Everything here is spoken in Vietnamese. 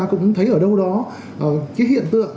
cũng thấy ở đâu đó cái hiện tượng